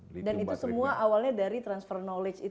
dan itu semua awalnya dari transfer knowledge itu ya pak